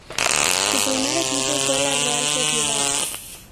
Su primer equipo fue la Real Sociedad.